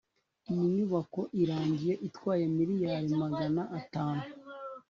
iyi inyubako irangiye itwaye miliyari magana atanu